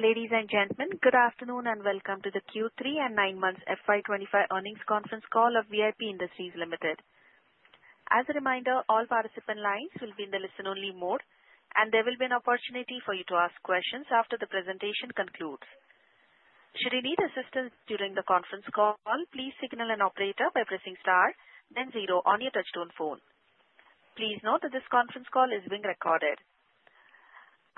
Ladies and gentlemen, good afternoon and welcome to the Q3 and 9 Months FY25 Earnings Conference Call of VIP Industries Limited. As a reminder, all participant lines will be in the listen-only mode, and there will be an opportunity for you to ask questions after the presentation concludes. Should you need assistance during the conference call, please signal an operator by pressing star, then zero on your touchtone phone. Please note that this conference call is being recorded.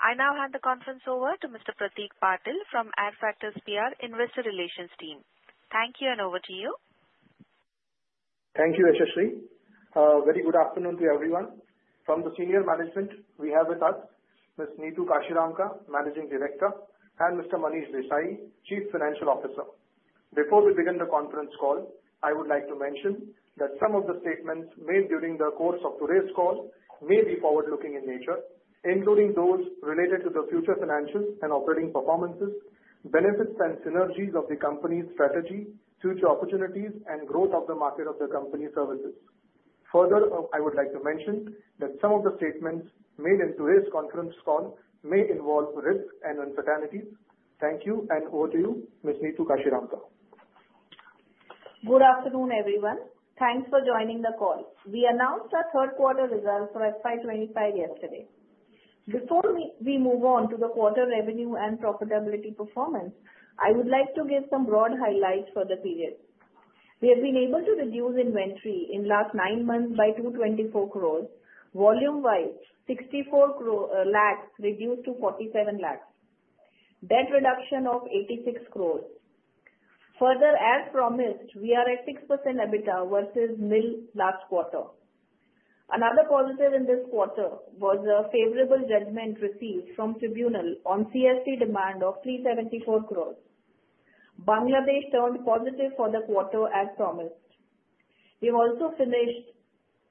I now hand the conference over to Mr. Prateek Patil from Adfactors PR Investor Relations Team. Thank you, and over to you. Thank you, Ashish-ji. Very good afternoon to everyone. From the senior management, we have with us Ms. Neetu Kashiramka, Managing Director, and Mr. Manish Desai, Chief Financial Officer. Before we begin the conference call, I would like to mention that some of the statements made during the course of today's call may be forward-looking in nature, including those related to the future financials and operating performances, benefits and synergies of the company's strategy, future opportunities, and growth of the market of the company's services. Further, I would like to mention that some of the statements made in today's conference call may involve risks and uncertainties. Thank you, and over to you, Ms. Neetu Kashiramka. Good afternoon, everyone. Thanks for joining the call. We announced our third-quarter results for FY25 yesterday. Before we move on to the quarter revenue and profitability performance, I would like to give some broad highlights for the period. We have been able to reduce inventory in the last nine months by 224 crores. Volume-wise, 64 lakhs reduced to 47 lakhs. Debt reduction of 86 crores. Further, as promised, we are at 6% EBITDA versus nil last quarter. Another positive in this quarter was a favorable judgment received from Tribunal on CST demand of 374 crores. Bangladesh turned positive for the quarter as promised. We have also finished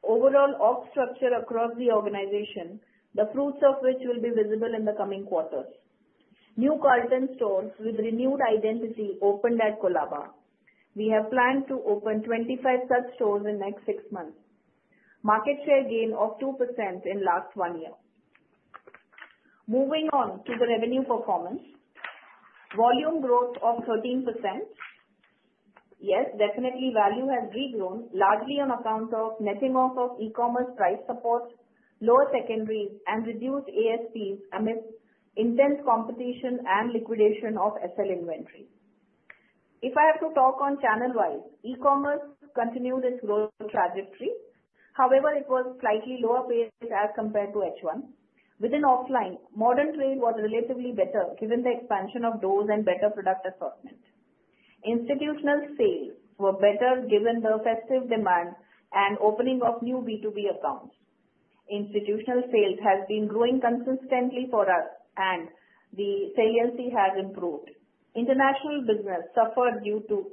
overall org structure across the organization, the fruits of which will be visible in the coming quarters. New Carlton stores with renewed identity opened at Colaba. We have planned to open 25 such stores in the next six months. Market share gain of 2% in the last one year. Moving on to the revenue performance, volume growth of 13%. Yes, definitely, value has regrown, largely on account of netting off of e-commerce price support, lower secondaries, and reduced ASPs amidst intense competition and liquidation of SL inventory. If I have to talk on channel-wise, e-commerce continued its growth trajectory. However, it was slightly lower pace as compared to H1. Within offline, modern trade was relatively better given the expansion of doors and better product assortment. Institutional sales were better given the festive demand and opening of new B2B accounts. Institutional sales have been growing consistently for us, and the salience has improved. International business suffered due to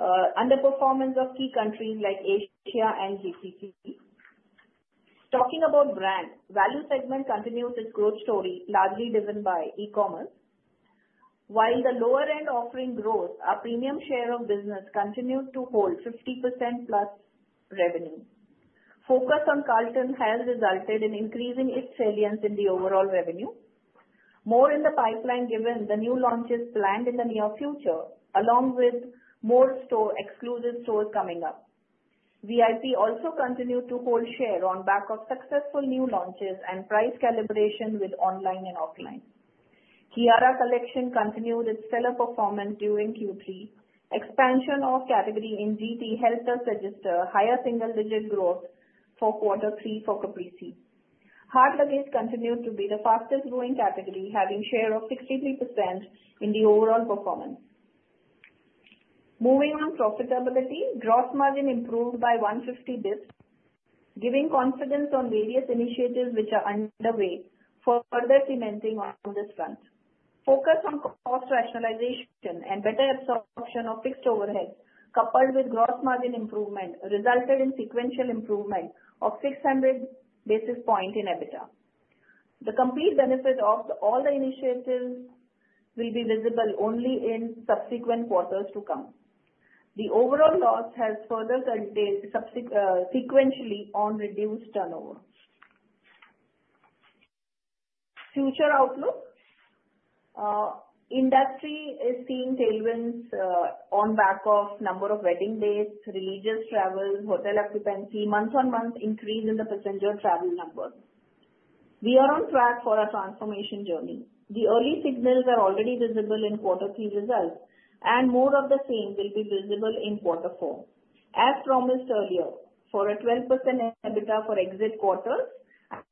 underperformance of key countries like Asia and GCC. Talking about brand, value segment continues its growth story, largely driven by e-commerce. While the lower-end offering grows, a premium share of business continues to hold 50% plus revenue. Focus on Carlton has resulted in increasing its salience in the overall revenue. More in the pipeline given the new launches planned in the near future, along with more exclusive stores coming up. VIP also continued to hold share on back of successful new launches and price calibration with online and offline. Kiara Collection continued its stellar performance during Q3. Expansion of category in GT helped us register higher single-digit growth for quarter three for Caprese. Hard luggage continued to be the fastest-growing category, having a share of 63% in the overall performance. Moving on to profitability, gross margin improved by 150 basis points, giving confidence on various initiatives which are underway for further cementing on this front. Focus on cost rationalization and better absorption of fixed overhead, coupled with gross margin improvement, resulted in sequential improvement of 600 basis points in EBITDA. The complete benefit of all the initiatives will be visible only in subsequent quarters to come. The overall loss has further sequentially on reduced turnover. Future outlook: industry is seeing tailwinds on back of the number of wedding dates, religious travels, hotel occupancy, month-on-month increase in the percentage of travel numbers. We are on track for a transformation journey. The early signals are already visible in quarter three results, and more of the same will be visible in quarter four. As promised earlier, for a 12% EBITDA for exit quarters,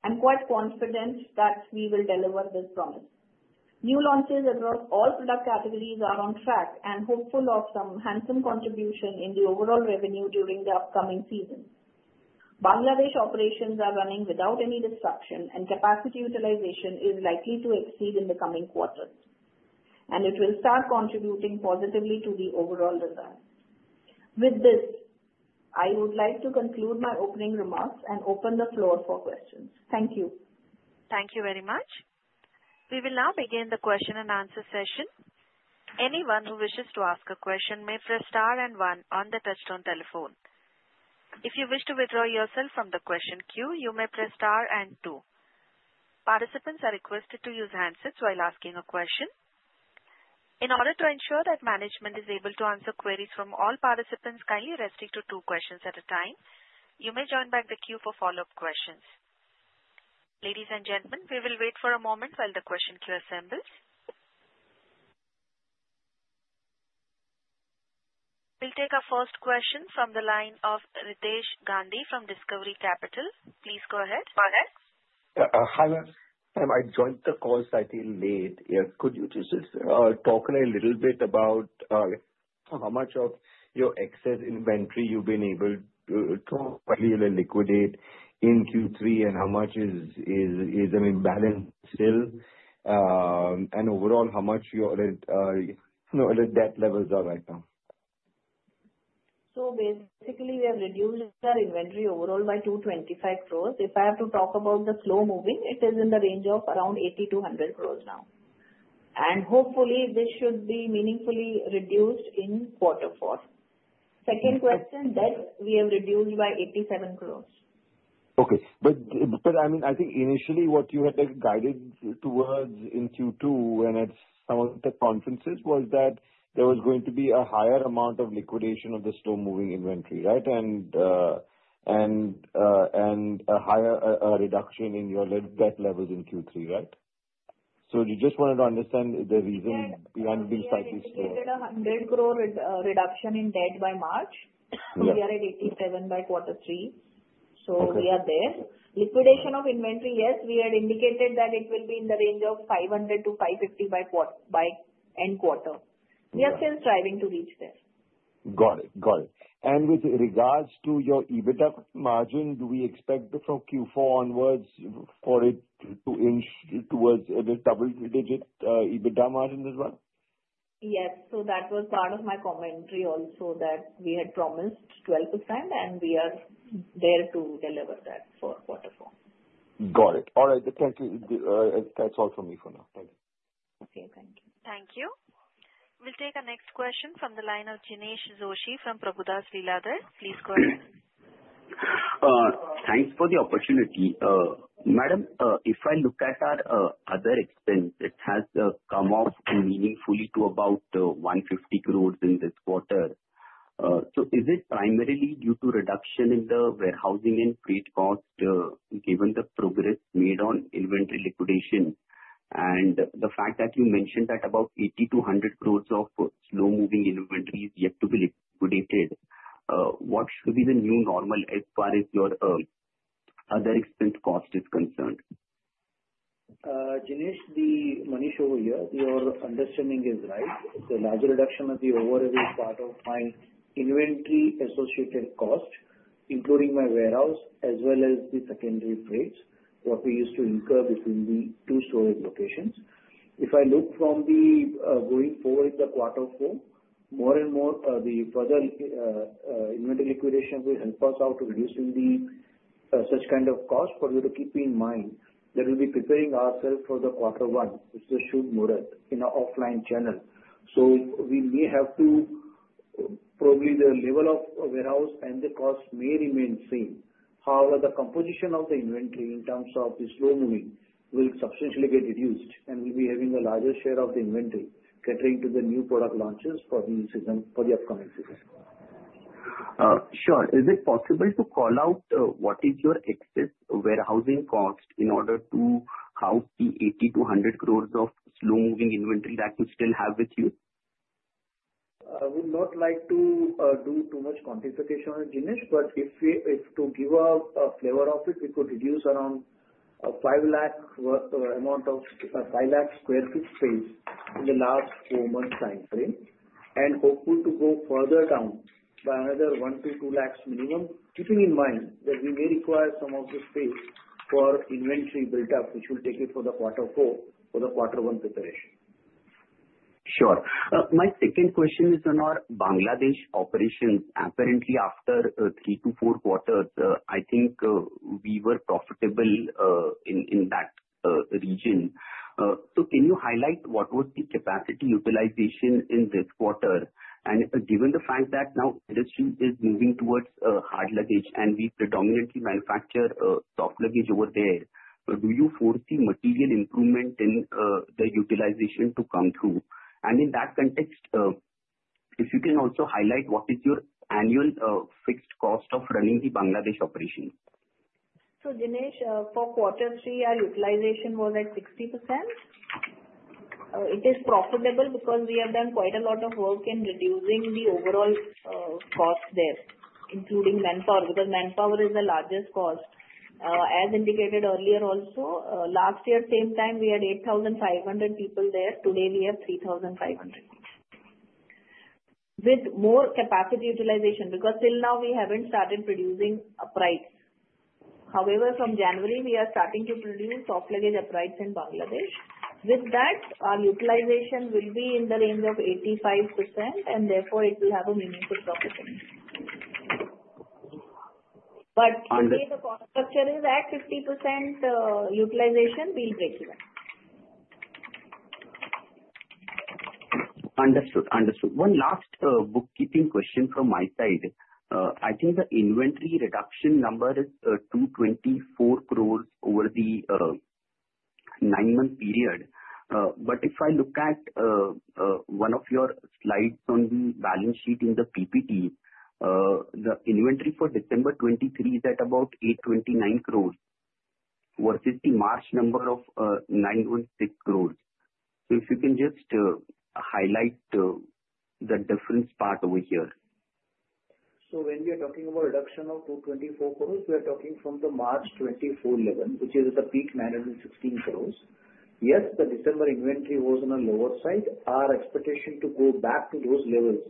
I'm quite confident that we will deliver this promise. New launches across all product categories are on track and hopeful of some handsome contribution in the overall revenue during the upcoming season. Bangladesh operations are running without any disruption, and capacity utilization is likely to exceed in the coming quarters, and it will start contributing positively to the overall results. With this, I would like to conclude my opening remarks and open the floor for questions. Thank you. Thank you very much. We will now begin the question and answer session. Anyone who wishes to ask a question may press star and one on the touch-tone telephone. If you wish to withdraw yourself from the question queue, you may press star and two. Participants are requested to use handsets while asking a question. In order to ensure that management is able to answer queries from all participants, kindly restrict to two questions at a time. You may join back the queue for follow-up questions. Ladies and gentlemen, we will wait for a moment while the question queue assembles. We'll take our first question from the line of Ritesh Gandhi from Discovery Capital. Please go ahead. Hi, ma'am. I joined the call slightly late. Could you just talk a little bit about how much of your excess inventory you've been able to liquidate in Q3, and how much is an imbalance still? And overall, how much your debt levels are right now? So basically, we have reduced our inventory overall by 225 crores. If I have to talk about the slow-moving, it is in the range of around 80 to 100 crores now. And hopefully, this should be meaningfully reduced in quarter four. Second question, debt we have reduced by 87 crores. Okay. But I mean, I think initially what you had guided towards in Q2 when at some of the conferences was that there was going to be a higher amount of liquidation of the slow-moving inventory, right? And a reduction in your debt levels in Q3, right? So you just wanted to understand the reason behind being slightly slow. We had a 100 crore reduction in debt by March. We are at 87 crore by quarter three. So we are there. Liquidation of inventory, yes, we had indicated that it will be in the range of 500 crore to 550 crore by end quarter. We are still striving to reach there. Got it. Got it, and with regards to your EBITDA margin, do we expect from Q4 onwards for it to inch towards a double-digit EBITDA margin as well? Yes. So that was part of my commentary also that we had promised 12%, and we are there to deliver that for quarter four. Got it. All right. Thank you. That's all from me for now. Thank you. Okay. Thank you. Thank you. We'll take our next question from the line of Dinesh Joshi from Prabhudas Lilladher. Please go ahead. Thanks for the opportunity. Madam, if I look at our other expenses, it has come off meaningfully to about 150 crores in this quarter. So is it primarily due to reduction in the warehousing and freight cost given the progress made on inventory liquidation and the fact that you mentioned that about 80 to 100 crores of slow-moving inventory is yet to be liquidated? What should be the new normal as far as your other expense cost is concerned? Dinesh, Manish over here, your understanding is right. The larger reduction of the overhead is part of my inventory-associated cost, including my warehouse as well as the secondary freight, what we used to incur between the two storage locations. If I look from the going forward in the quarter four, more and more the further inventory liquidation will help us out to reduce in the such kind of cost. But we have to keep in mind that we'll be preparing ourselves for the quarter one, which is should move in an offline channel. So we may have to probably the level of warehouse and the cost may remain same. However, the composition of the inventory in terms of the slow-moving will substantially get reduced, and we'll be having a larger share of the inventory catering to the new product launches for the upcoming season. Sure. Is it possible to call out what is your excess warehousing cost in order to house the 80-100 crores of slow-moving inventory that you still have with you? I would not like to do too much quantification on Dinesh, but if to give a flavor of it, we could reduce around 5 lakh amount of 5 lakh sq ft space in the last four months' time frame and hopefully to go further down by another 1-2 lakhs minimum, keeping in mind that we may require some of the space for inventory built up, which will take it for the quarter four for the quarter one preparation. Sure. My second question is on our Bangladesh operations. Apparently, after three to four quarters, I think we were profitable in that region. So can you highlight what was the capacity utilization in this quarter? And given the fact that the industry is moving towards hard luggage and we predominantly manufacture soft luggage over there, do you foresee material improvement in the utilization to come through? And in that context, if you can also highlight what is your annual fixed cost of running the Bangladesh operation? So, Dinesh, for quarter three, our utilization was at 60%. It is profitable because we have done quite a lot of work in reducing the overall cost there, including manpower, because manpower is the largest cost. As indicated earlier also, last year, same time, we had 8,500 people there. Today, we have 3,500. With more capacity utilization, because till now, we haven't started producing uprights. However, from January, we are starting to produce soft luggage uprights in Bangladesh. With that, our utilization will be in the range of 85%, and therefore, it will have a meaningful profit for me. But if the cost structure is at 50% utilization, we'll break even. Understood. Understood. One last bookkeeping question from my side. I think the inventory reduction number is 224 crores over the nine-month period. But if I look at one of your slides on the balance sheet in the PPT, the inventory for December 2023 is at about 829 crores versus the March number of 916 crores. So if you can just highlight the difference part over here. So when we are talking about reduction of 224 crores, we are talking from the March 2024 level, which is at a peak 916 crores. Yes, the December inventory was on a lower side. Our expectation is to go back to those levels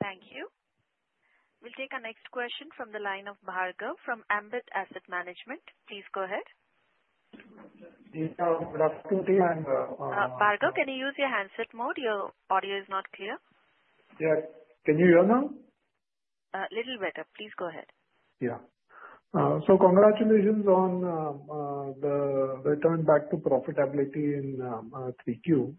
Yeah. Thank you. We'll take our next question from the line of Bhargav from Ambit Asset Management. Please go ahead. Bhargav, can you use your handset mode? Your audio is not clear. Yeah. Can you hear now? A little better. Please go ahead. Yeah. So congratulations on the return back to profitability in Q3.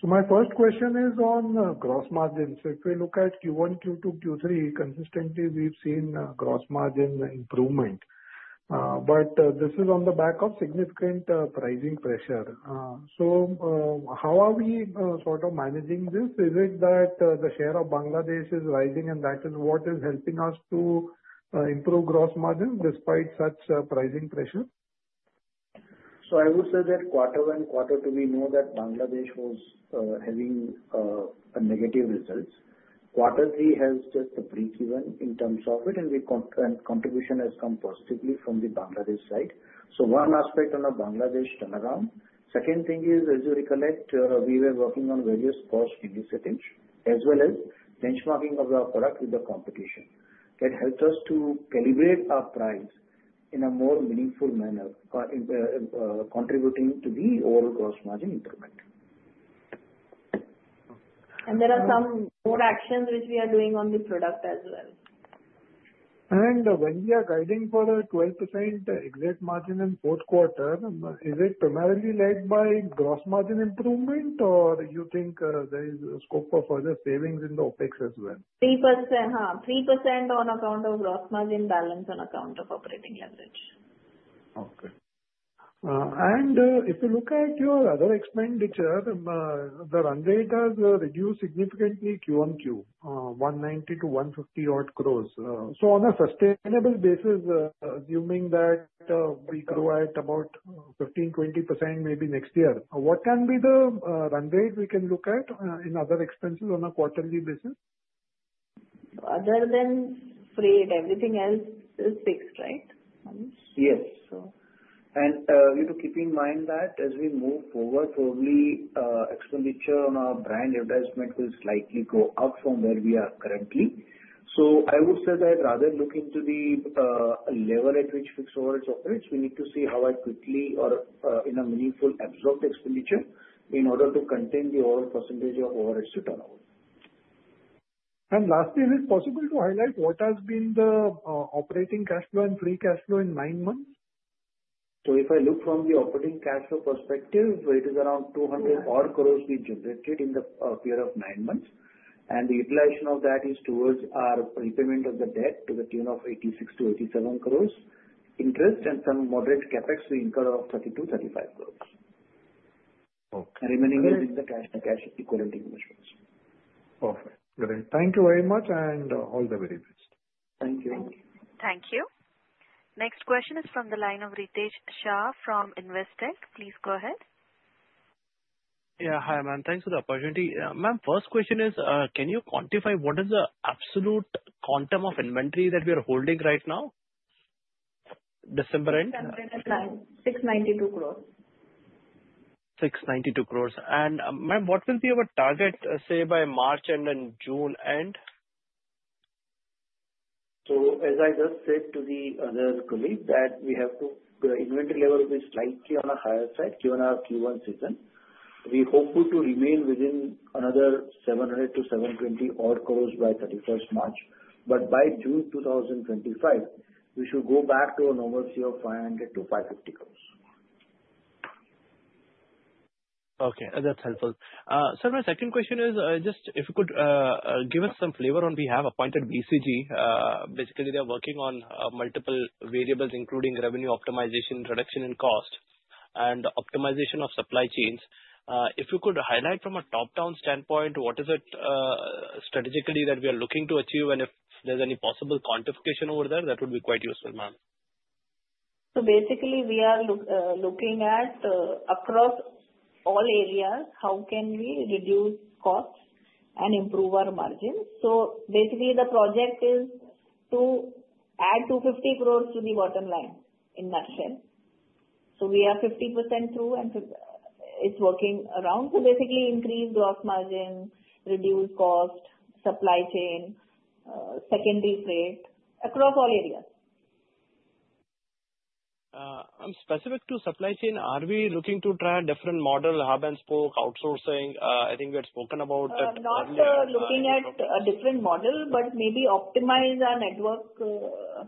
So my first question is on gross margin. So if we look at Q1, Q2, Q3, consistently, we've seen gross margin improvement. But this is on the back of significant pricing pressure. So how are we sort of managing this? Is it that the share of Bangladesh is rising, and that is what is helping us to improve gross margin despite such pricing pressure? So I would say that quarter one and quarter two, we know that Bangladesh was having negative results. Quarter three has just a break even in terms of it, and contribution has come positively from the Bangladesh side. So one aspect on the Bangladesh turnaround. Second thing is, as you recollect, we were working on various cost initiatives as well as benchmarking of our product with the competition. That helped us to calibrate our price in a more meaningful manner, contributing to the overall gross margin improvement. There are some more actions which we are doing on the product as well. When we are guiding for a 12% exact margin in fourth quarter, is it primarily led by gross margin improvement, or do you think there is a scope of further savings in the OpEx as well? 3%. 3% on account of gross margin balance on account of operating leverage. Okay. And if you look at your other expenditure, the run rate has reduced significantly Q1, Q2, 190-150 crores. So on a sustainable basis, assuming that we grow at about 15%-20% maybe next year, what can be the run rate we can look at in other expenses on a quarterly basis? Other than freight, everything else is fixed, right? Yes. And keep in mind that as we move forward, probably expenditure on our brand advertisement will slightly go up from where we are currently. So I would say that rather look into the level at which fixed overhead operates, we need to see how quickly or in a meaningful absorbed expenditure in order to contain the overall percentage of overhead to turnover. And lastly, is it possible to highlight what has been the operating cash flow and free cash flow in nine months? So if I look from the operating cash flow perspective, it is around 200 crores we generated in the period of nine months. And the utilization of that is towards our repayment of the debt to the tune of 86 to 87 crores interest and some moderate CapEx we incur of 32-35 crores. And remaining is in the cash equivalent investments. Perfect. Great. Thank you very much and all the very best. Thank you. Thank you. Next question is from the line of Ritesh Shah from Investec. Please go ahead. Yeah. Hi, ma'am. Thanks for the opportunity. Ma'am, first question is, can you quantify what is the absolute quantum of inventory that we are holding right now? December end? December end is 692 crores. 692 crores. And ma'am, what will be our target, say, by March and then June end? So as I just said to the other colleague, that we have to the inventory level will be slightly on a higher side given our Q1 season. We hope to remain within another 700-720 crores by 31st March. But by June 2025, we should go back to a normalcy of 500-550 crores. Okay. That's helpful. So, ma'am, second question is just if you could give us some flavor on we have appointed BCG. Basically, they are working on multiple variables, including revenue optimization, reduction in cost, and optimization of supply chains. If you could highlight from a top-down standpoint, what is it strategically that we are looking to achieve, and if there's any possible quantification over there, that would be quite useful, ma'am. So basically, we are looking across all areas how we can reduce costs and improve our margin. So basically, the project is to add 250 crores to the bottom line in a nutshell. So we are 50% through, and it's working out. So basically, increase gross margin, reduce cost, supply chain, secondary freight across all areas. I'm specific to supply chain. Are we looking to try a different model, Hub and Spoke, outsourcing? I think we had spoken about that earlier. We're not looking at a different model, but maybe optimize our network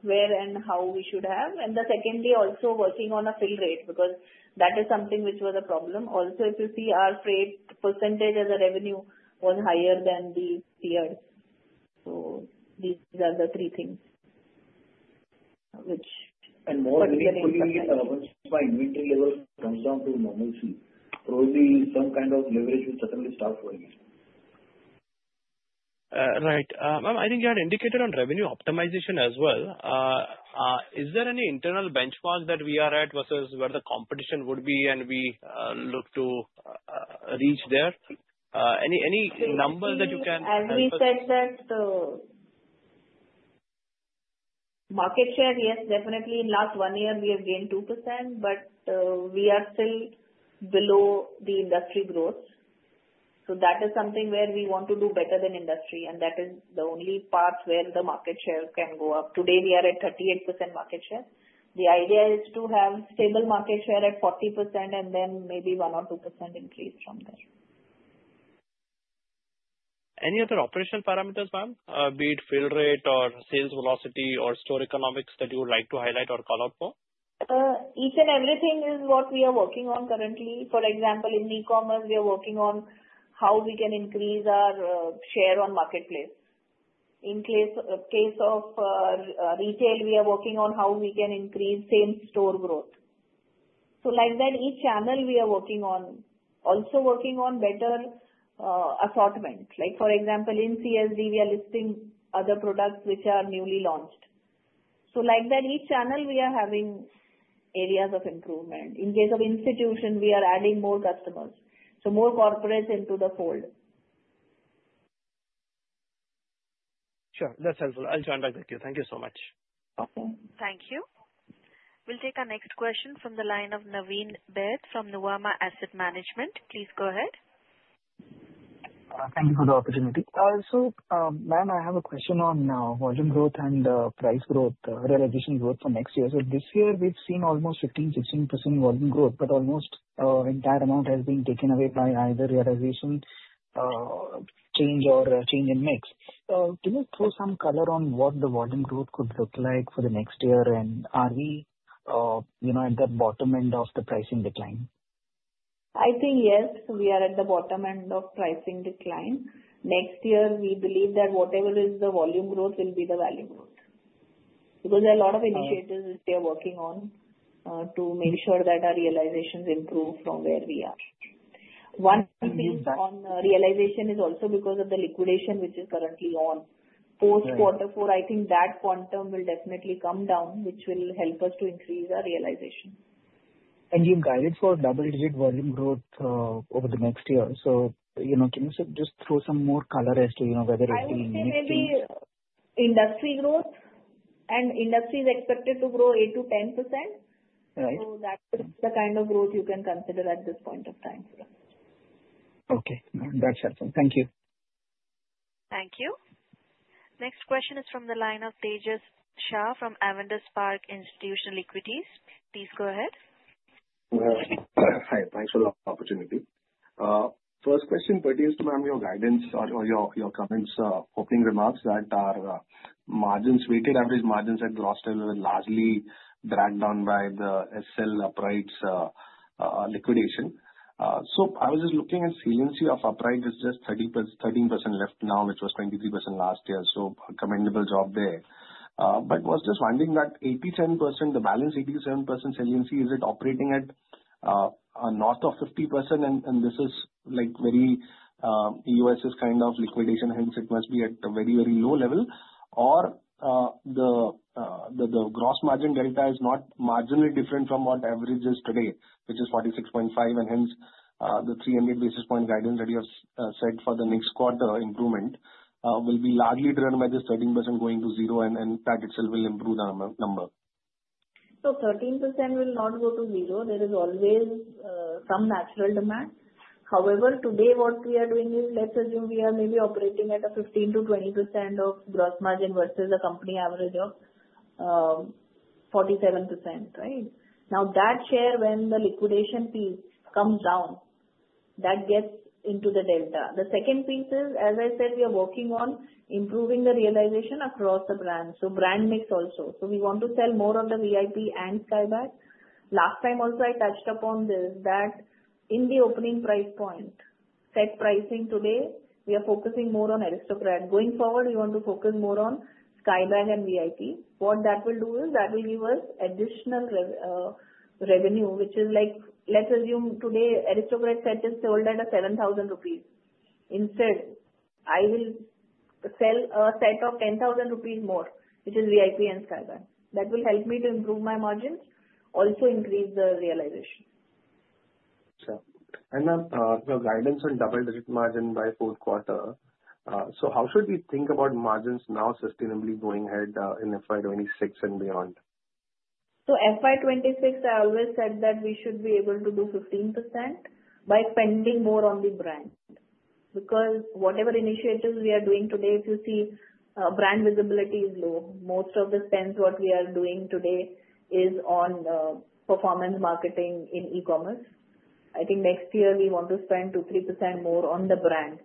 where and how we should have, and secondly, also working on a fill rate because that is something which was a problem. Also, if you see our freight as a percentage of revenue was higher than the year, so these are the three things which. More than equally, once my inventory level comes down to normalcy, probably some kind of leverage will certainly start working. Right. Ma'am, I think you had indicated on revenue optimization as well. Is there any internal benchmark that we are at versus where the competition would be and we look to reach there? Any numbers that you can highlight? As we said that market share, yes, definitely. In last one year, we have gained 2%, but we are still below the industry growth. So that is something where we want to do better than industry, and that is the only part where the market share can go up. Today, we are at 38% market share. The idea is to have stable market share at 40% and then maybe 1% or 2% increase from there. Any other operational parameters, ma'am, be it fill rate or sales velocity or store economics that you would like to highlight or call out for? Each and everything is what we are working on currently. For example, in e-commerce, we are working on how we can increase our share on marketplace. In case of retail, we are working on how we can increase same store growth. So like that, each channel we are working on, also working on better assortment. For example, in CSD, we are listing other products which are newly launched. So like that, each channel we are having areas of improvement. In case of institution, we are adding more customers, so more corporates into the fold. Sure. That's helpful. I'll join back with you. Thank you so much. Okay. Thank you. We'll take our next question from the line of Naveen Baid from Nuvama Asset Management. Please go ahead. Thank you for the opportunity. So ma'am, I have a question on volume growth and price growth, realization growth for next year. So this year, we've seen almost 15%-16% volume growth, but almost entire amount has been taken away by either realization change or change in mix. Can you throw some color on what the volume growth could look like for the next year, and are we at the bottom end of the pricing decline? I think yes, we are at the bottom end of pricing decline. Next year, we believe that whatever is the volume growth will be the value growth because there are a lot of initiatives which we are working on to make sure that our realizations improve from where we are. One thing on realization is also because of the liquidation which is currently on. Post quarter four, I think that quantum will definitely come down, which will help us to increase our realization. You guided for double-digit volume growth over the next year. Can you just throw some more color as to whether it will mix in? I think maybe industry growth, and industry is expected to grow 8%-10%. So that is the kind of growth you can consider at this point of time for us. Okay. That's helpful. Thank you. Thank you. Next question is from the line of Tejas Shah from Avendus Spark Institutional Equities. Please go ahead. Hi. Thanks for the opportunity. First question pertains to, ma'am, your guidance or your comments, opening remarks that our margins, weighted average margins at gross level were largely dragged down by the SL upright's liquidation. So I was just looking at salience of upright. It's just 13% left now, which was 23% last year. So a commendable job there. But I was just wondering that 80, 10%, the balance 87% salience, is it operating at north of 50%? And this is very U.S. kind of liquidation, hence it must be at a very, very low level. Or the gross margin delta is not marginally different from what average is today, which is 46.5, and hence the 300 basis point guidance that you have said for the next quarter improvement will be largely driven by this 13% going to zero, and that itself will improve the number. 13% will not go to zero. There is always some natural demand. However, today what we are doing is let's assume we are maybe operating at a 15%-20% of gross margin versus a company average of 47%, right? Now, that share when the liquidation piece comes down, that gets into the delta. The second piece is, as I said, we are working on improving the realization across the brand. So brand mix also. So we want to sell more of the VIP and Skybags. Last time also I touched upon this that in the opening price point, set pricing today, we are focusing more on Aristocrat. Going forward, we want to focus more on Skybags and VIP. What that will do is that will give us additional revenue, which is let's assume today Aristocrat set is sold at 7,000 rupees. Instead, I will sell a set of 10,000 rupees more, which is VIP and Skybags. That will help me to improve my margins, also increase the realization. Sure. And ma'am, your guidance on double-digit margin by fourth quarter. So how should we think about margins now sustainably going ahead in FY 26 and beyond? FY 2026, I always said that we should be able to do 15% by spending more on the brand because whatever initiatives we are doing today, if you see brand visibility is low. Most of the spend what we are doing today is on performance marketing in e-commerce. I think next year we want to spend 2-3% more on the brand.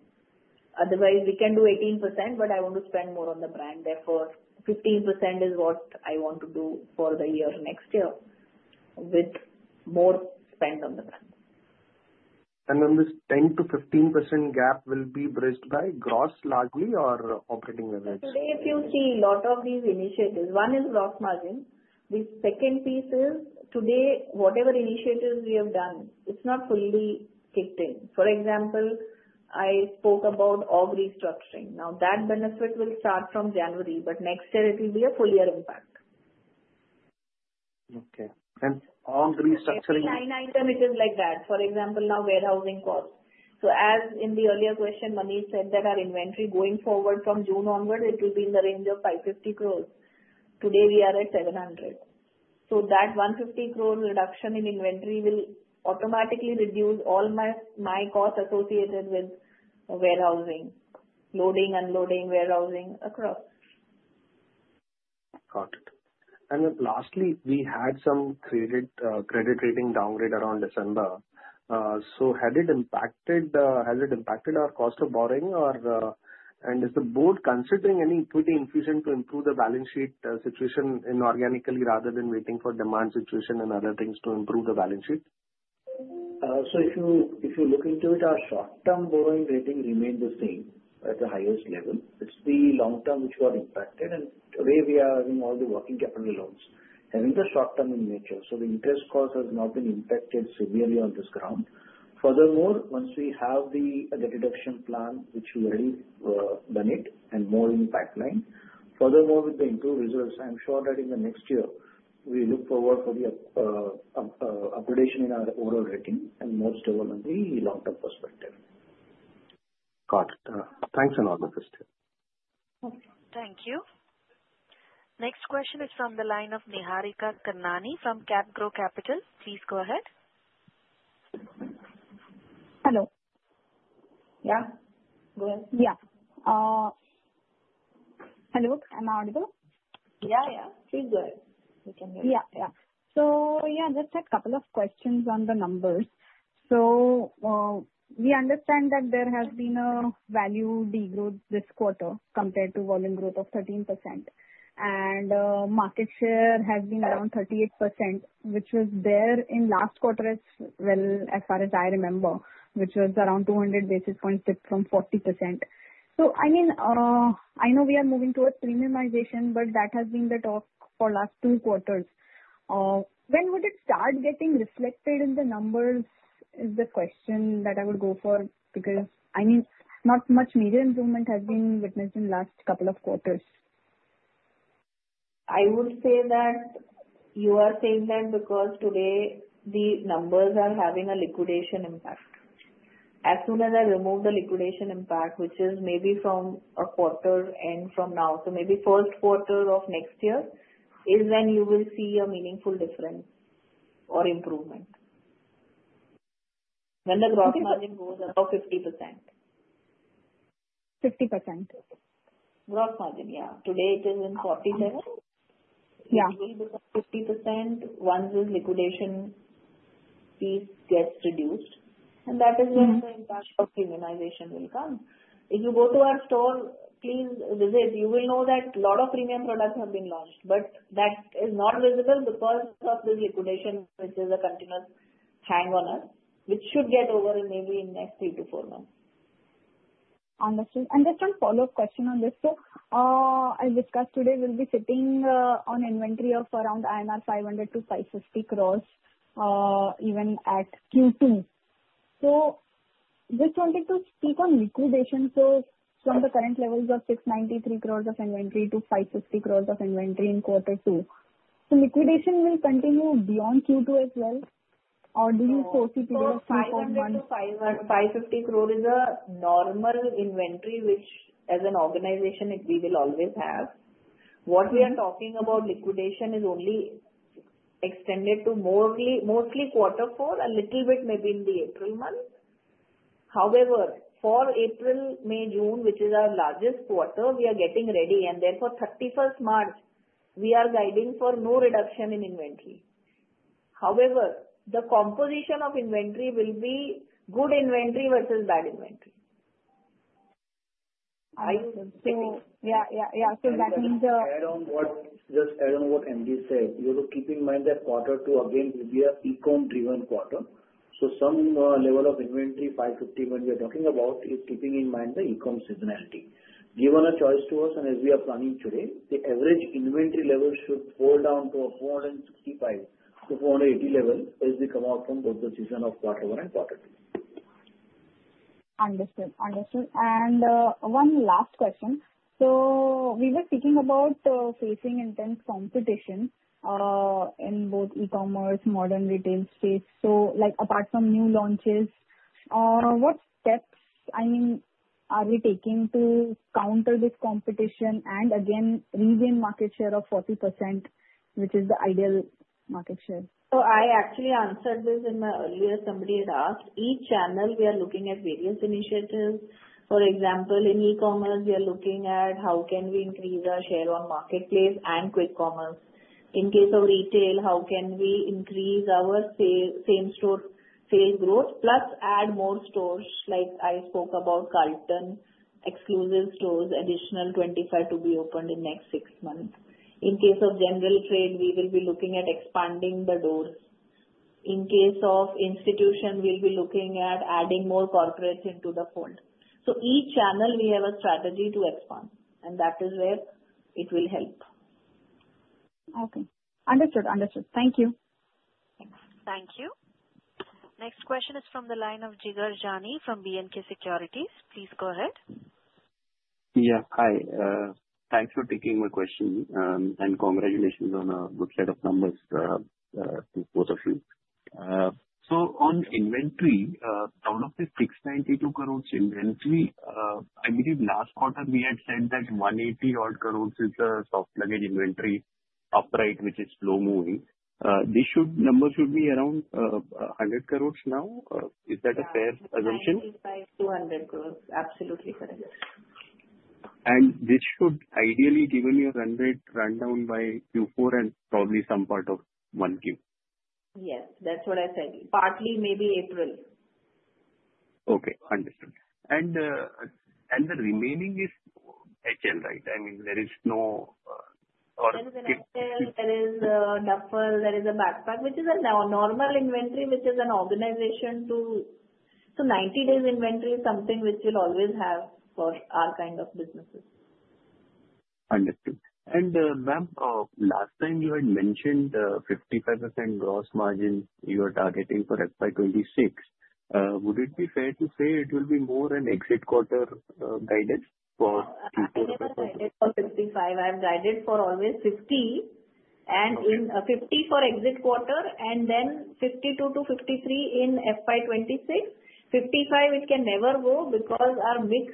Otherwise, we can do 18%, but I want to spend more on the brand. Therefore, 15% is what I want to do for the year next year with more spend on the brand. And then this 10%-15% gap will be bridged by gross largely or operating leverage? Today, if you see a lot of these initiatives, one is gross margin. The second piece is today, whatever initiatives we have done, it's not fully kicked in. For example, I spoke about org restructuring. Now, that benefit will start from January, but next year it will be a full year impact. Okay, and org restructuring? Each line item, it is like that. For example, now warehousing costs. So as in the earlier question, Manish said that our inventory going forward from June onward, it will be in the range of 550 crores. Today, we are at 700. So that 150 crore reduction in inventory will automatically reduce all my costs associated with warehousing, loading, unloading, warehousing across. Got it. And then lastly, we had some credit rating downgrade around December. So has it impacted our cost of borrowing? And is the board considering any equity infusion to improve the balance sheet situation inorganically rather than waiting for demand situation and other things to improve the balance sheet? If you look into it, our short-term borrowing rating remained the same at the highest level. It's the long-term which got impacted. Today, we are having all the working capital loans having the short-term in nature, so the interest cost has not been impacted severely on this ground. Furthermore, once we have the reduction plan, which we already done it and more in the pipeline, furthermore with the improved results, I'm sure that in the next year we look forward for the upgradation in our overall rating and more stable on the long-term perspective. Got it. Thanks a lot, Mrs. T. Thank you. Next question is from the line of Niharika Karnani from CapGrow Capital. Please go ahead. Hello. Yeah. Go ahead. Yeah. Hello. Am I audible? Yeah. Yeah. She's good. We can hear you. Yeah. Yeah. So yeah, just had a couple of questions on the numbers. So we understand that there has been a value degrowth this quarter compared to volume growth of 13%. And market share has been around 38%, which was there in last quarter, as far as I remember, which was around 200 basis points dipped from 40%. So I mean, I know we are moving towards premiumization, but that has been the talk for last two quarters. When would it start getting reflected in the numbers is the question that I would go for because I mean, not much major improvement has been witnessed in the last couple of quarters. I would say that you are saying that because today the numbers are having a liquidation impact. As soon as I remove the liquidation impact, which is maybe from a quarter end from now, so maybe first quarter of next year is when you will see a meaningful difference or improvement. When the gross margin goes above 50%. Gross margin, yeah. Today it is at 47%. Usually before 50%, once this liquidation piece gets reduced. And that is when the impact of premiumization will come. If you go to our store, please visit, you will know that a lot of premium products have been launched, but that is not visible because of this liquidation, which is a continuous hangover on us, which should get over maybe in the next 3-4 months. Just one follow-up question on this. So, as discussed today, we'll be sitting on inventory of around INR 500-550 crores even at Q2. So just wanted to speak on liquidation. So from the current levels of 693 crores of inventory to 550 crores of inventory in quarter two. So liquidation will continue beyond Q2 as well? Or do you foresee post Q4? 550 crore is a normal inventory which as an organization we will always have. What we are talking about liquidation is only extended to mostly quarter four, a little bit maybe in the April month. However, for April, May, June, which is our largest quarter, we are getting ready. And therefore 31st March, we are guiding for no reduction in inventory. However, the composition of inventory will be good inventory versus bad inventory. Yeah. Yeah. Yeah. So that means. Just add on what MD said. You have to keep in mind that quarter two again will be an e-com driven quarter, so some level of inventory 550 when we are talking about is keeping in mind the e-com seasonality. Given a choice to us and as we are planning today, the average inventory level should fall down to a 465 to 480 level as we come out from both the season of quarter one and quarter two. Understood. Understood. And one last question. So we were speaking about facing intense competition in both e-commerce, modern retail space. So apart from new launches, what steps I mean, are we taking to counter this competition and again regain market share of 40%, which is the ideal market share? So I actually answered this in my earlier. Somebody had asked. Each channel we are looking at various initiatives. For example, in e-commerce, we are looking at how can we increase our share on marketplace and quick commerce. In case of retail, how can we increase our same store sales growth plus add more stores like I spoke about Carlton, exclusive stores, additional 25 to be opened in next six months. In case of general trade, we will be looking at expanding the doors. In case of institution, we'll be looking at adding more corporates into the fold. So each channel we have a strategy to expand, and that is where it will help. Okay. Understood. Understood. Thank you. Thank you. Next question is from the line of Jigar Jani from B&K Securities. Please go ahead. Yeah. Hi. Thanks for taking my question and congratulations on a good set of numbers to both of you. So on inventory, out of the 692 crores inventory, I believe last quarter we had said that 180 odd crores is the soft luggage inventory upright, which is slow moving. This number should be around 100 crores now. Is that a fair assumption? 25,200 crores. Absolutely correct. And this should ideally, given your run rate, run down by Q4 and probably some part of 1Q. Yes. That's what I said. Partly maybe April. Okay. Understood. And the remaining is HL, right? I mean, there is no or. There is an HL, there is a duffel, there is a backpack, which is a normal inventory, which is organized, too. So 90 days inventory is something which we'll always have for our kind of businesses. Understood. And ma'am, last time you had mentioned 55% gross margin you are targeting for FY 2026. Would it be fair to say it will be more an exit quarter guidance for Q4? I'm not guided for 55%. I'm guided for always 50% and 50% for exit quarter and then 52%-53% in FY 2026. 55%, it can never go because our mix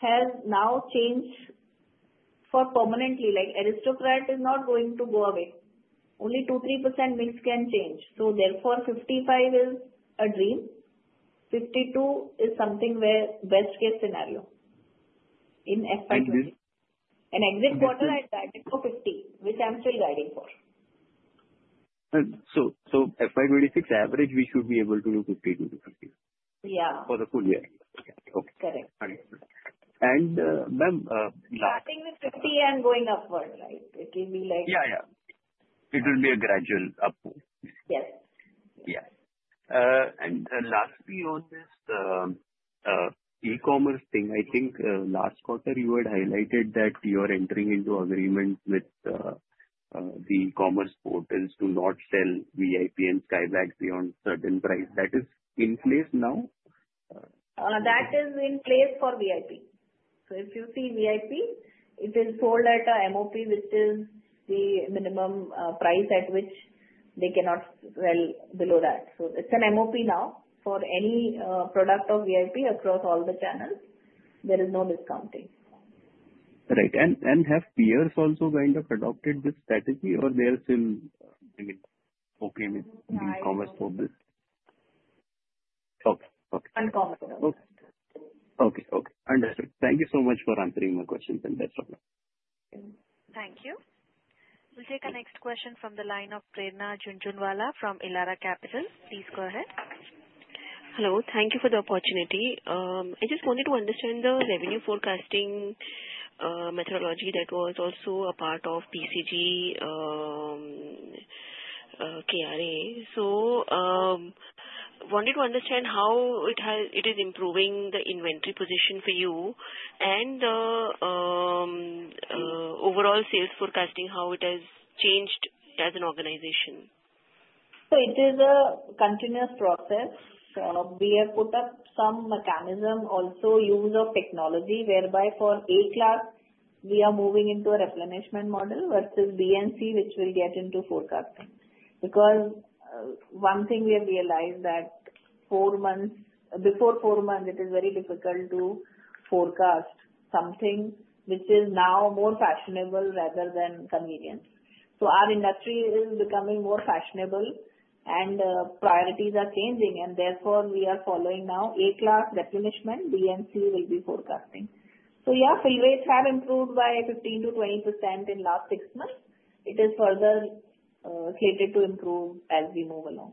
has now changed permanently. Aristocrat is not going to go away. Only 2-3% mix can change. So therefore 55% is a dream. 52% is something where best case scenario in FY 2026, and exit quarter, I'm guided for 50%, which I'm still guiding for. FY 26 average, we should be able to do 52-50 for the full year. Yeah. Correct. Okay. Understood, and ma'am. Starting with 50 and going upward, right? It will be like. Yeah. Yeah. It will be a gradual upward. Yes. Yeah. And lastly on this e-commerce thing, I think last quarter you had highlighted that you are entering into agreement with the e-commerce portals to not sell VIP and Skybags beyond certain price. That is in place now? That is in place for VIP. So if you see VIP, it is sold at a MOP, which is the minimum price at which they cannot sell below that. So it's an MOP now for any product of VIP across all the channels. There is no discounting. Right. And have peers also kind of adopted this strategy or they are still okay with the e-commerce for this? No. Okay. Okay. Uncomfortable. Okay. Okay. Understood. Thank you so much for answering my questions and that's all. Thank you. We'll take a next question from the line of Prerna Jhunjhunwala from Elara Capital. Please go ahead. Hello. Thank you for the opportunity. I just wanted to understand the revenue forecasting methodology that was also a part of BCG KRA. So I wanted to understand how it is improving the inventory position for you and the overall sales forecasting, how it has changed as an organization? So it is a continuous process. We have put up some mechanism, also use of technology whereby for A class, we are moving into a replenishment model versus B and C, which will get into forecasting. Because one thing we have realized that before four months, it is very difficult to forecast something which is now more fashionable rather than convenient. So our industry is becoming more fashionable and priorities are changing. And therefore we are following now A class replenishment, B and C will be forecasting. So yeah, fill rates have improved by 15%-20% in the last six months. It is further slated to improve as we move along.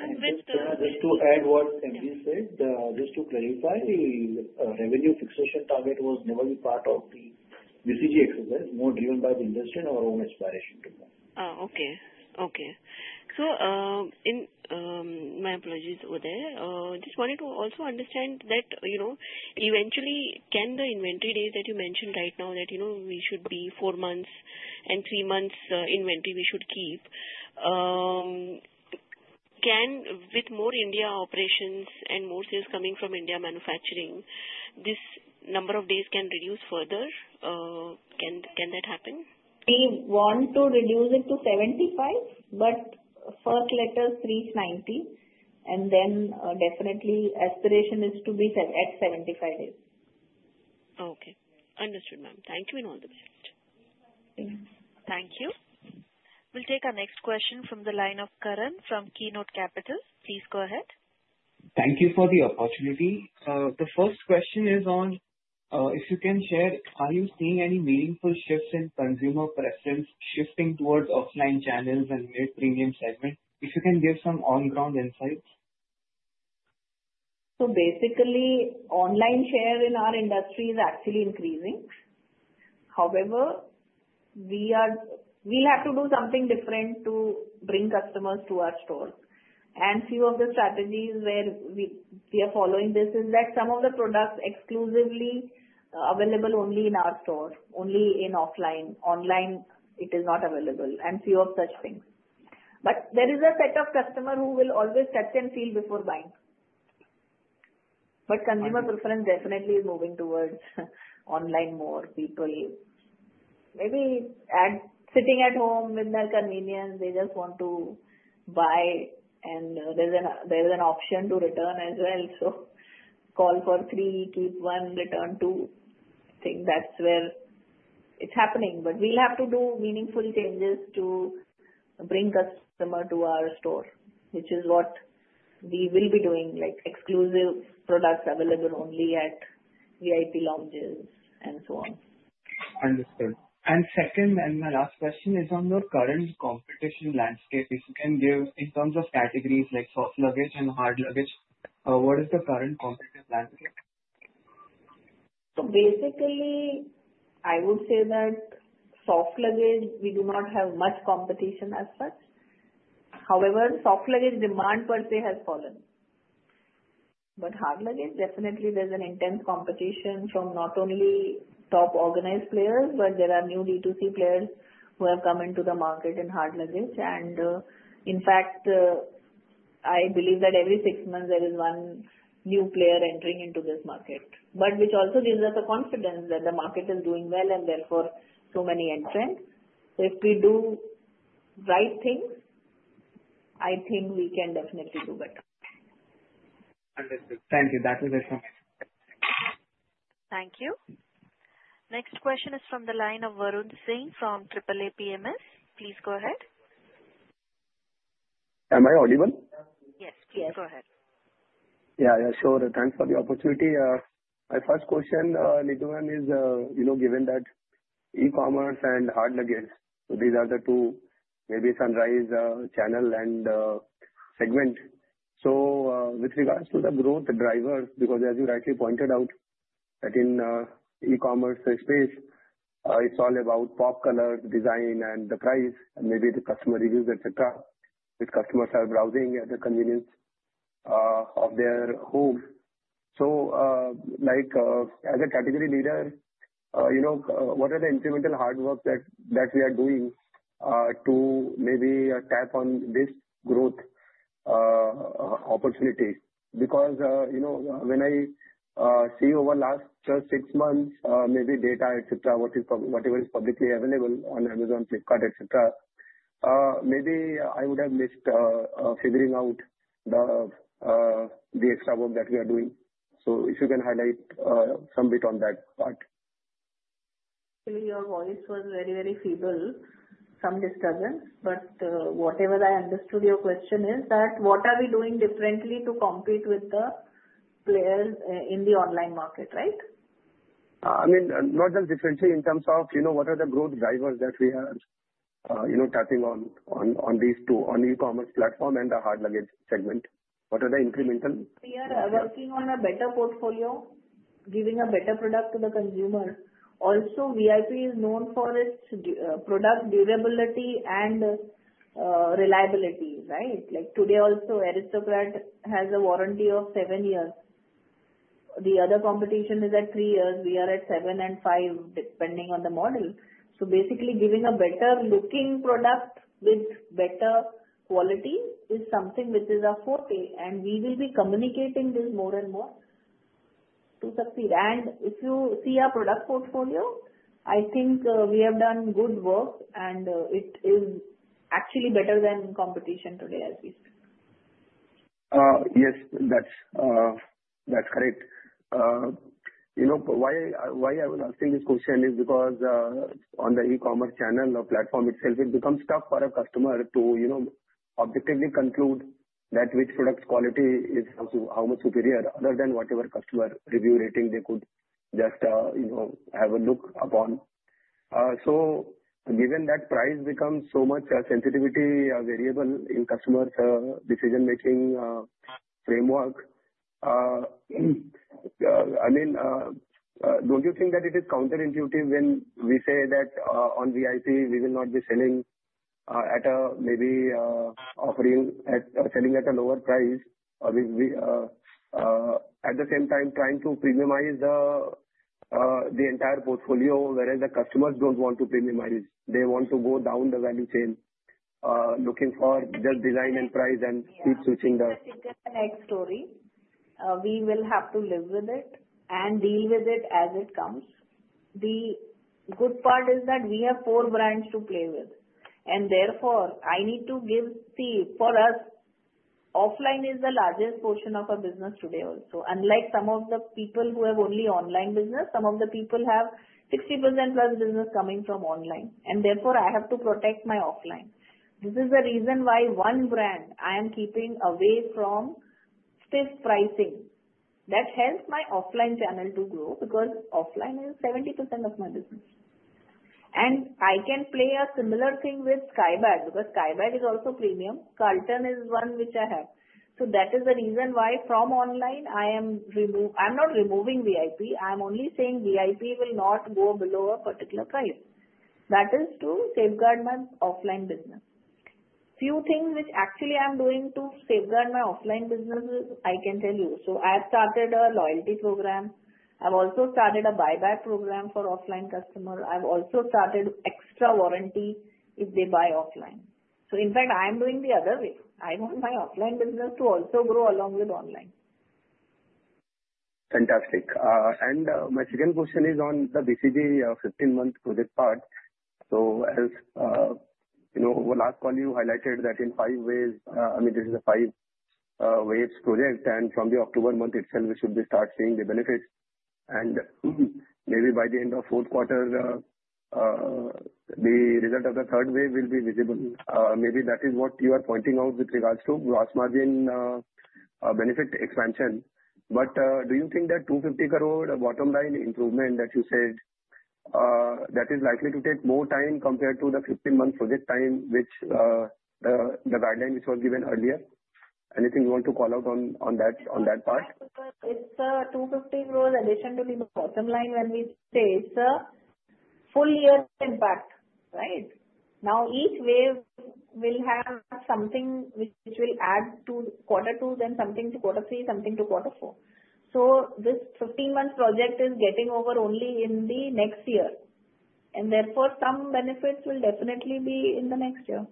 And just to add what MD said, just to clarify, revenue fixation target was never a part of the BCG exercise, more driven by the industry and our own aspiration to go. Oh, okay. Okay. So my apologies over there. Just wanted to also understand that eventually can the inventory days that you mentioned right now that we should be four months and three months inventory we should keep, can with more India operations and more sales coming from India manufacturing, this number of days can reduce further? Can that happen? We want to reduce it to 75, but first half's reached 90, and then definitely aspiration is to be at 75 days. Okay. Understood, ma'am. Thank you and all the best. Thank you. We'll take our next question from the line of Karan from Keynote Capital. Please go ahead. Thank you for the opportunity. The first question is on if you can share, are you seeing any meaningful shifts in consumer preference shifting towards offline channels and mid-premium segment? If you can give some on-ground insights. So basically, online share in our industry is actually increasing. However, we'll have to do something different to bring customers to our store. And few of the strategies where we are following this is that some of the products exclusively available only in our store, only in offline. Online it is not available. And few of such things. But there is a set of customers who will always touch and feel before buying. But consumer preference definitely is moving towards online more. People maybe sitting at home with their convenience, they just want to buy, and there is an option to return as well. So call for three, keep one, return two. I think that's where it's happening. But we'll have to do meaningful changes to bring customers to our store, which is what we will be doing, exclusive products available only at VIP Lounges and so on. Understood, and second, and my last question is on the current competition landscape. If you can give in terms of categories like soft luggage and hard luggage, what is the current competitive landscape? So basically, I would say that soft luggage, we do not have much competition as such. However, soft luggage demand per se has fallen. But hard luggage, definitely there's an intense competition from not only top organized players, but there are new D2C players who have come into the market in hard luggage. And in fact, I believe that every six months there is one new player entering into this market, but which also gives us a confidence that the market is doing well and therefore so many entrants. So if we do right things, I think we can definitely do better. Understood. Thank you. That was it from me. Thank you. Next question is from the line of Varun Singh from AAA PMS. Please go ahead. Am I audible? Yes. Please go ahead. Yeah. Yeah. Sure. Thanks for the opportunity. My first question, Neetu, is given that e-commerce and hard luggage, so these are the two maybe sunrise channel and segment. So with regards to the growth drivers, because as you rightly pointed out that in e-commerce space, it's all about pop color design and the price and maybe the customer reviews, etc., which customers are browsing at the convenience of their home. So as a category leader, what are the incremental hard work that we are doing to maybe tap on this growth opportunity? Because when I see over the last six months, maybe data, etc., whatever is publicly available on Amazon, Flipkart, etc., maybe I would have missed figuring out the extra work that we are doing. So if you can highlight some bit on that part. Actually, your voice was very, very feeble. Some disturbance. But whatever I understood, your question is that what are we doing differently to compete with the players in the online market, right? I mean, not just differently in terms of what are the growth drivers that we are tapping on these two on e-commerce platform and the hard luggage segment. What are the incremental? We are working on a better portfolio, giving a better product to the consumer. Also, VIP is known for its product durability and reliability, right? Today also, Aristocrat has a warranty of seven years. The other competition is at three years. We are at seven and five, depending on the model. So basically, giving a better looking product with better quality is something which is a forte, and we will be communicating this more and more to succeed, and if you see our product portfolio, I think we have done good work, and it is actually better than competition today as we speak. Yes. That's correct. Why I was asking this question is because on the e-commerce channel platform itself, it becomes tough for a customer to objectively conclude that which product's quality is how much superior other than whatever customer review rating they could just have a look upon. So given that price becomes so much a sensitivity variable in customers' decision-making framework, I mean, don't you think that it is counterintuitive when we say that on VIP, we will not be selling at a maybe selling at a lower price, at the same time trying to premiumize the entire portfolio whereas the customers don't want to premiumize. They want to go down the value chain, looking for just design and price and keep switching the. It's a synergistic story. We will have to live with it and deal with it as it comes. The good part is that we have four brands to play with. And therefore, I need to, see, for us, offline is the largest portion of our business today also. Unlike some of the people who have only online business, some of the people have 60% plus business coming from online. And therefore, I have to protect my offline. This is the reason why one brand I am keeping away from steep pricing. That helps my offline channel to grow because offline is 70% of my business. And I can play a similar thing with Skybags because Skybags is also premium. Carlton is one which I have. So that is the reason why from online, I am not removing VIP. I'm only saying VIP will not go below a particular price. That is to safeguard my offline business. Few things which actually I'm doing to safeguard my offline businesses, I can tell you. So I have started a loyalty program. I've also started a buyback program for offline customers. I've also started extra warranty if they buy offline. So in fact, I'm doing the other way. I want my offline business to also grow along with online. Fantastic. And my second question is on the BCG 15-month project part. So as over last call, you highlighted that in five ways, I mean, this is a five-wave project. And from the October month itself, we should start seeing the benefits. And maybe by the end of fourth quarter, the result of the third wave will be visible. Maybe that is what you are pointing out with regards to gross margin benefit expansion. But do you think that 250-crore bottom line improvement that you said, that is likely to take more time compared to the 15-month project time, which the guideline which was given earlier? Anything you want to call out on that part? It's a 250-crore addition to the bottom line when we say it's a full year impact, right? Now, each wave will have something which will add to quarter two, then something to quarter three, something to quarter four. So this 15-month project is getting over only in the next year. And therefore, some benefits will definitely be in the next year.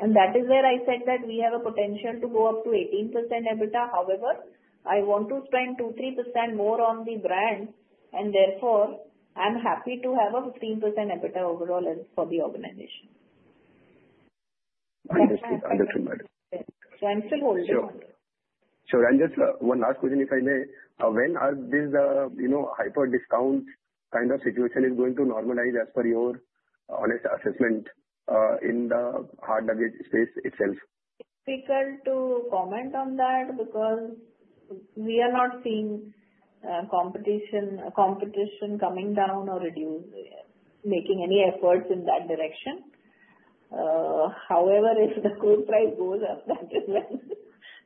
And that is where I said that we have a potential to go up to 18% EBITDA. However, I want to spend 2-3% more on the brand. And therefore, I'm happy to have a 15% EBITDA overall for the organization. Understood. Understood, ma'am. So I'm still holding on. Sure. And just one last question, if I may. When is this hyper-discount kind of situation going to normalize as per your honest assessment in the hard luggage space itself? It's difficult to comment on that because we are not seeing competition coming down or making any efforts in that direction. However, if the growth price goes up, that is when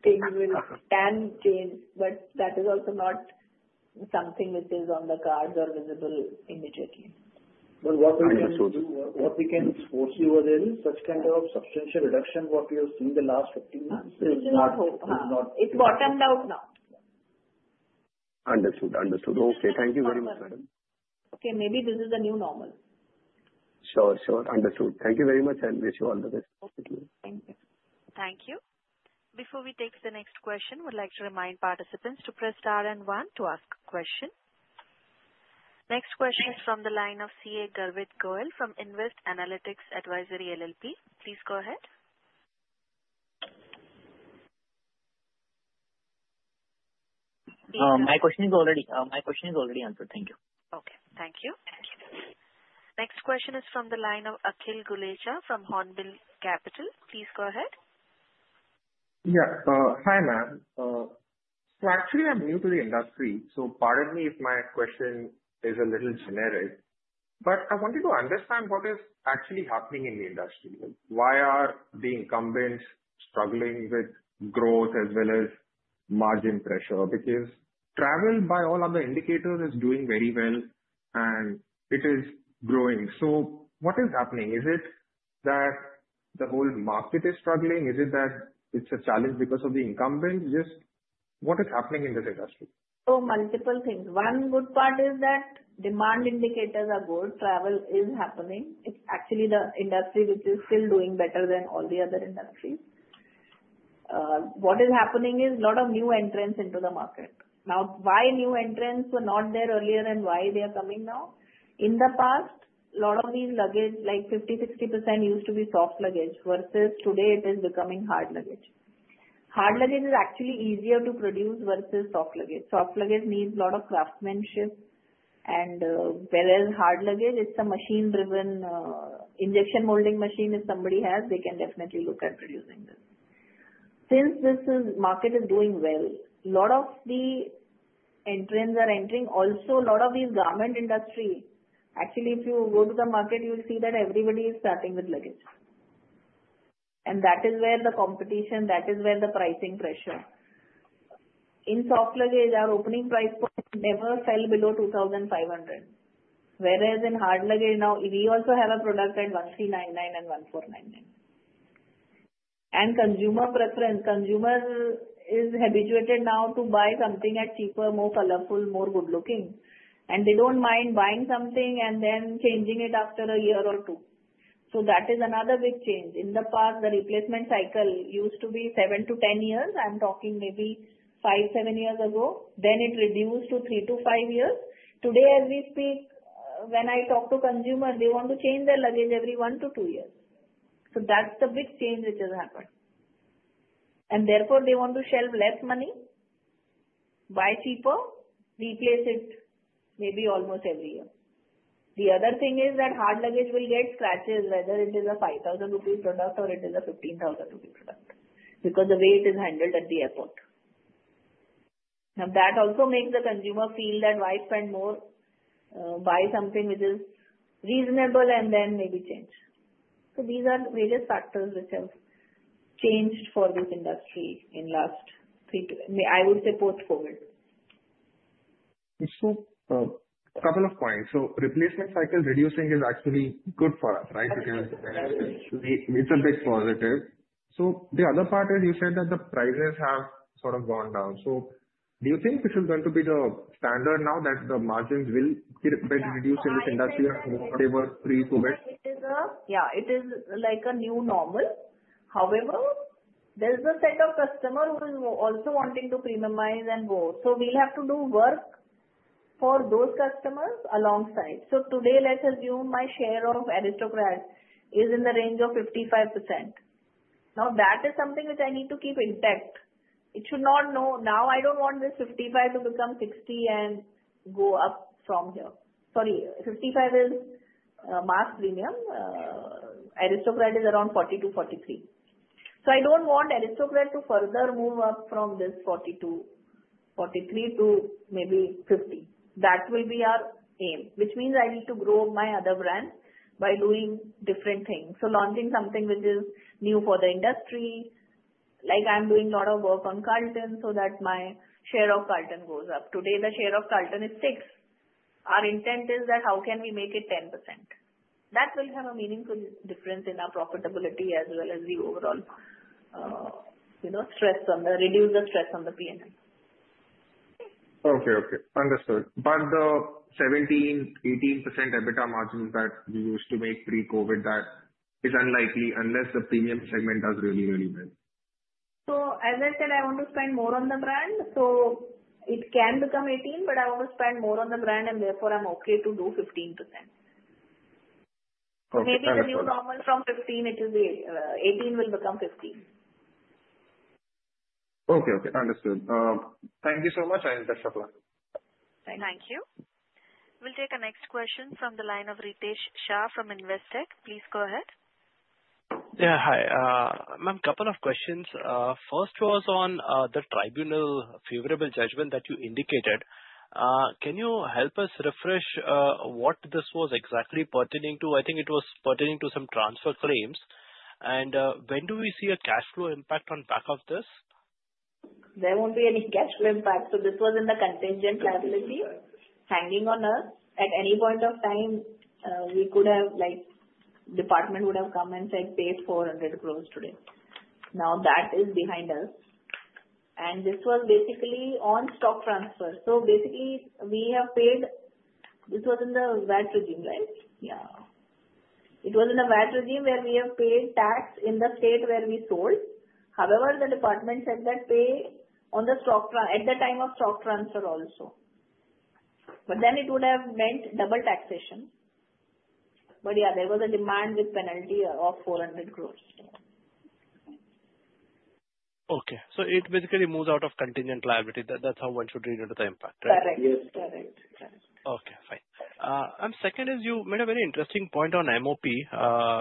things can change. But that is also not something which is on the cards or visible immediately. But what we can foresee over there is such kind of substantial reduction what we have seen the last 15 months. It's bottomed out now. Understood. Understood. Okay. Thank you very much, madam. Okay. Maybe this is the new normal. Sure. Sure. Understood. Thank you very much, and wish you all the best. Thank you. Thank you. Before we take the next question, we'd like to remind participants to press star and one to ask a question. Next question is from the line of C.A. Garvit Goyal from Invest Analytics Advisory LLP. Please go ahead. My question is already answered. Thank you. Okay. Thank you. Next question is from the line of Akhil Gulecha from Hornbill Capital. Please go ahead. Yeah. Hi, ma'am. So actually, I'm new to the industry. So pardon me if my question is a little generic, but I wanted to understand what is actually happening in the industry. Why are the incumbents struggling with growth as well as margin pressure? Because travel, by all other indicators, is doing very well, and it is growing. So what is happening? Is it that the whole market is struggling? Is it that it's a challenge because of the incumbents? Just what is happening in this industry? So multiple things. One good part is that demand indicators are good. Travel is happening. It's actually the industry which is still doing better than all the other industries. What is happening is a lot of new entrants into the market. Now, why new entrants were not there earlier and why they are coming now? In the past, a lot of these luggage, like 50%-60%, used to be soft luggage versus today it is becoming hard luggage. Hard luggage is actually easier to produce versus soft luggage. Soft luggage needs a lot of craftsmanship. And whereas hard luggage, it's a machine-driven injection molding machine if somebody has, they can definitely look at producing this. Since this market is doing well, a lot of the entrants are entering. Also, a lot of these garment industry, actually, if you go to the market, you'll see that everybody is starting with luggage. And that is where the competition, that is where the pricing pressure. In soft luggage, our opening price point never fell below 2,500. Whereas in hard luggage, now we also have a product at 1,399 and 1,499. And consumer preference, consumer is habituated now to buy something cheaper, more colorful, more good-looking. And they don't mind buying something and then changing it after a year or two. So that is another big change. In the past, the replacement cycle used to be 7-10 years. I'm talking maybe 5, 7 years ago. Then it reduced to 3-5 years. Today, as we speak, when I talk to consumers, they want to change their luggage every 1-2 years. So that's the big change which has happened. And therefore, they want to spend less money, buy cheaper, replace it maybe almost every year. The other thing is that hard luggage will get scratches, whether it is an 5,000 rupees product or it is an 15,000 rupees product, because the weight is handled at the airport. Now, that also makes the consumer feel that why spend more, buy something which is reasonable, and then maybe change. So these are various factors which have changed for this industry in the last, I would say, post-COVID. So a couple of points. So replacement cycle reducing is actually good for us, right? It's a big positive. So the other part is you said that the prices have sort of gone down. So do you think this is going to be the standard now that the margins will get reduced in this industry after whatever pre-COVID? Yeah. It is like a new normal. However, there's a set of customers who are also wanting to premiumize and go. So we'll have to do work for those customers alongside. So today, let's assume my share of Aristocrat is in the range of 55%. Now, that is something which I need to keep intact. It should not. No. Now, I don't want this 55 to become 60 and go up from here. Sorry. 55 is mass premium. Aristocrat is around 42, 43. So I don't want Aristocrat to further move up from this 42, 43 to maybe 50. That will be our aim, which means I need to grow my other brands by doing different things. So launching something which is new for the industry. Like I'm doing a lot of work on Carlton so that my share of Carlton goes up. Today, the share of Carlton is six. Our intent is that how can we make it 10%? That will have a meaningful difference in our profitability as well as the overall stress on the P&L. Okay. Okay. Understood. But the 17%-18% EBITDA margins that we used to make pre-COVID, that is unlikely unless the premium segment does really, really well. So as I said, I want to spend more on the brand. So it can become 18, but I want to spend more on the brand, and therefore, I'm okay to do 15%. Okay. Maybe the new normal from 15. It will be 18 will become 15. Okay. Okay. Understood. Thank you so much, and all the best. Thank you. We'll take a next question from the line of Ritesh Shah from Investec. Please go ahead. Yeah. Hi, ma'am. Couple of questions. First was on the tribunal favorable judgment that you indicated. Can you help us refresh what this was exactly pertaining to? I think it was pertaining to some transfer claims, and when do we see a cash flow impact on back of this? There won't be any cash flow impact. So this was in the contingent liability hanging on us. At any point of time, the department would have come and said, "Pay 400 crores today." Now, that is behind us. And this was basically on stock transfer. So basically, we have paid. This was in the VAT regime, right? Yeah. It was in the VAT regime where we have paid tax in the state where we sold. However, the department said that pay on the stock at the time of stock transfer also. But then it would have meant double taxation. But yeah, there was a demand with penalty of 400 crores. Okay. So it basically moves out of contingent liability. That's how one should read into the impact, right? Correct. Correct. Correct. Okay. Fine. And second is you made a very interesting point on MOP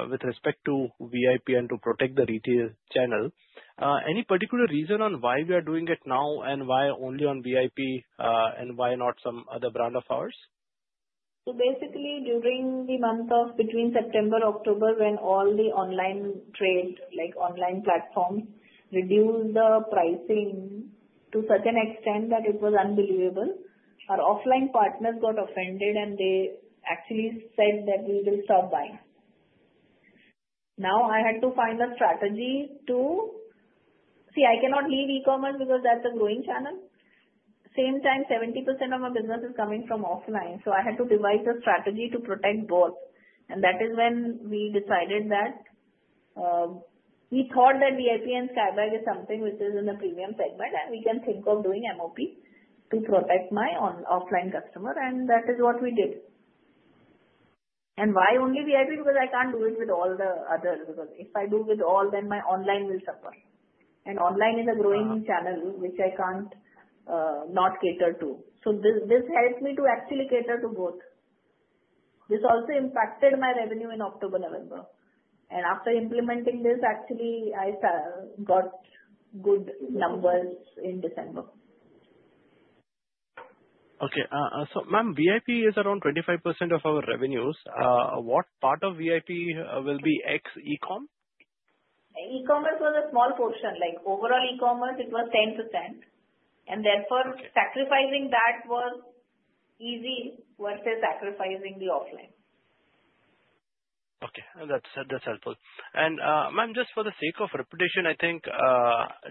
with respect to VIP and to protect the retail channel. Any particular reason on why we are doing it now and why only on VIP and why not some other brand of ours? So basically, during the month of between September, October, when all the online trade, like online platforms, reduced the pricing to such an extent that it was unbelievable, our offline partners got offended, and they actually said that we will stop buying. Now, I had to find a strategy to see I cannot leave e-commerce because that's a growing channel. At the same time, 70% of my business is coming from offline. So I had to devise a strategy to protect both. And that is when we decided that we thought that VIP and Skybags is something which is in the premium segment, and we can think of doing MOP to protect my offline customer. And that is what we did. And why only VIP? Because I can't do it with all the others. Because if I do with all, then my online will suffer. Online is a growing channel which I can't not cater to. This helped me to actually cater to both. This also impacted my revenue in October, November. After implementing this, actually, I got good numbers in December. Okay. So ma'am, VIP is around 25% of our revenues. What part of VIP will be ex-e-com? E-commerce was a small portion. Overall e-commerce, it was 10% and therefore, sacrificing that was easy versus sacrificing the offline. Okay. That's helpful. And ma'am, just for the sake of reputation, I think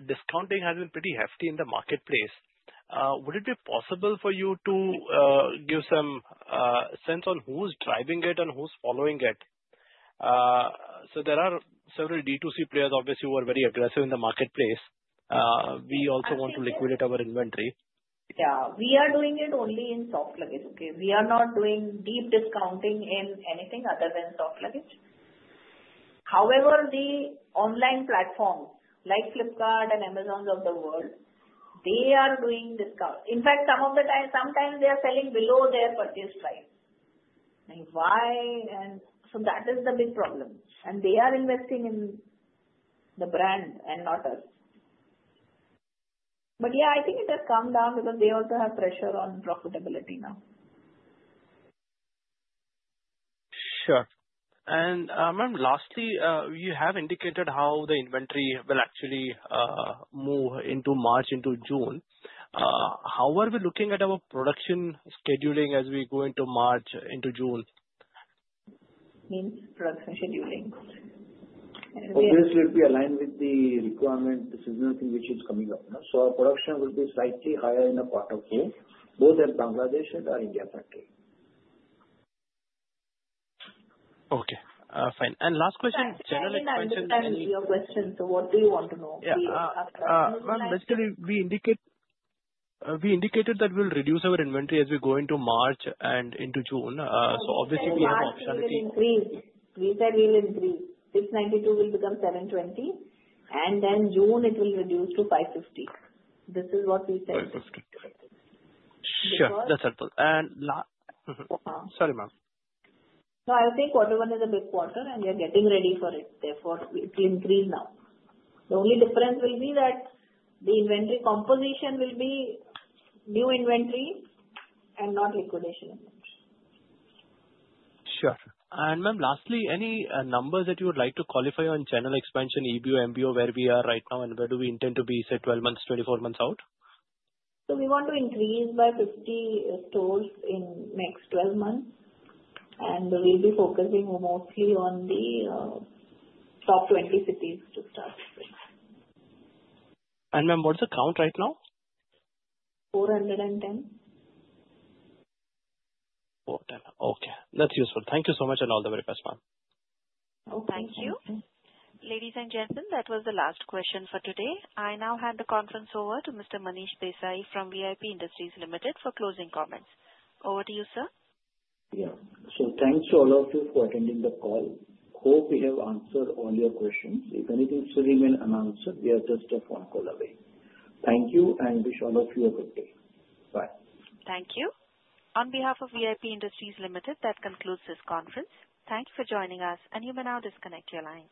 discounting has been pretty hefty in the marketplace. Would it be possible for you to give some sense on who's driving it and who's following it? So there are several D2C players, obviously, who are very aggressive in the marketplace. We also want to liquidate our inventory. Yeah. We are doing it only in soft luggage. Okay? We are not doing deep discounting in anything other than soft luggage. However, the online platforms like Flipkart and Amazon of the world, they are doing discount. In fact, some of the time, sometimes they are selling below their purchase price. So that is the big problem. And they are investing in the brand and not us. But yeah, I think it has come down because they also have pressure on profitability now. Sure. And ma'am, lastly, you have indicated how the inventory will actually move into March into June. How are we looking at our production scheduling as we go into March into June? Means production scheduling. Obviously, it will be aligned with the requirement. This is nothing which is coming up. So our production will be slightly higher in a part of both Bangladesh and our India country. Okay. Fine, and last question, general questions. And your question. So what do you want to know? Ma'am, basically, we indicated that we'll reduce our inventory as we go into March and into June. So obviously, we have optionality. We said we'll increase. 692 will become 720, and then June, it will reduce to 550. This is what we said. Sure. That's helpful. And sorry, ma'am. So I think quarter one is a big quarter, and we are getting ready for it. Therefore, it will increase now. The only difference will be that the inventory composition will be new inventory and not liquidation inventory. Sure. And ma'am, lastly, any numbers that you would like to qualify on general expansion, EBO, MBO, where we are right now, and where do we intend to be? You said 12 months, 24 months out? We want to increase by 50 stores in the next 12 months. We'll be focusing mostly on the top 20 cities to start with. Ma'am, what's the count right now? 410. 410. Okay. That's useful. Thank you so much and all the very best, ma'am. Thank you. Ladies and gentlemen, that was the last question for today. I now hand the conference over to Mr. Manish Desai from VIP Industries Limited for closing comments. Over to you, sir. Yeah. So thanks to all of you for attending the call. Hope we have answered all your questions. If anything still remains unanswered, we are just a phone call away. Thank you and wish all of you a good day. Bye. Thank you. On behalf of VIP Industries Limited, that concludes this conference. Thanks for joining us, and you may now disconnect your line.